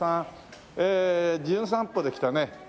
『じゅん散歩』で来たね